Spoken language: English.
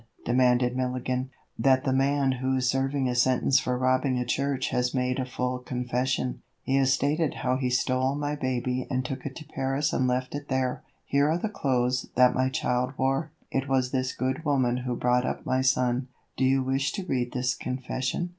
demanded Milligan. "That the man who is serving a sentence for robbing a church has made a full confession. He has stated how he stole my baby and took it to Paris and left it there. Here are the clothes that my child wore. It was this good woman who brought up my son. Do you wish to read this confession.